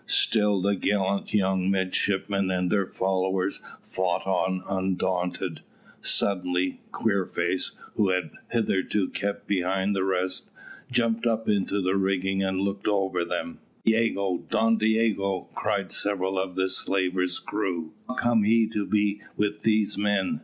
Still the gallant young midshipmen and their followers fought on undaunted. Suddenly Queerface, who had hitherto kept behind the rest, jumped up into the rigging and looked over them. "Don Diogo! Don Diogo!" cried several of the slaver's crew; "how comes he to be with these men?